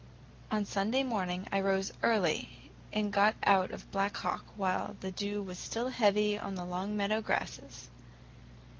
On Sunday morning I rose early and got out of Black Hawk while the dew was still heavy on the long meadow grasses.